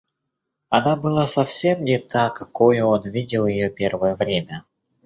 Она была совсем не та, какою он видел ее первое время.